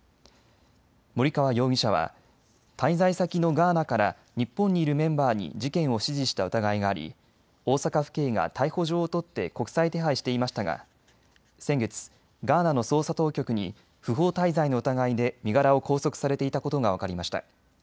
森川容疑者は滞在先のガーナから日本にいるメンバーに事件を指示した疑いがあり大阪府警が逮捕状を取って国際手配していましたが、先月、ガーナの捜査当局に不法滞在の疑いで身柄を拘束されていたことが分かりました。